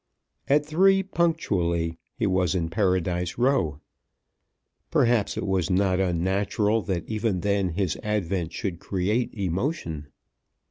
At 3.0 punctually he was in Paradise Row. Perhaps it was not unnatural that even then his advent should create emotion.